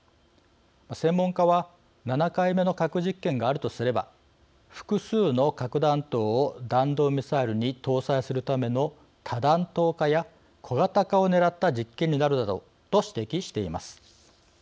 専門家は、７回目の核実験があるとすれば複数の核弾頭を弾道ミサイルに搭載するための多弾頭化や小型化をねらった実験になるだろうと指摘しています。